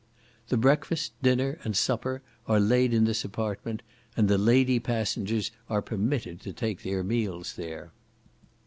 The breakfast, dinner, and supper are laid in this apartment, and the lady passengers are permitted to take their meals there.